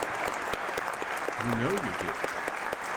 You know you did.